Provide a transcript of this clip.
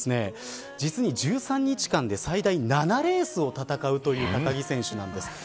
実に１３日間で７レースを戦うという高木選手です。